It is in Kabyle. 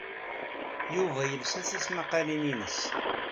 Yuba yelsa tismaqqalin-nnes.